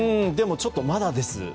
でもちょっとまだです。